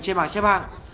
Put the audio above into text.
trên bảng xếp hạng